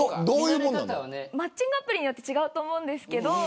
マッチングアプリによって違うと思うんですけれど。